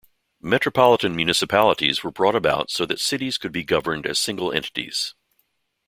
Metropolitan municipalities were brought about so that cities could be governed as single entities.